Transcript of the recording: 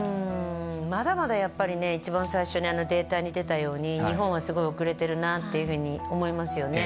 まだまだやっぱり一番最初にデータに出たように日本はすごい遅れてるなというふうに思いますよね。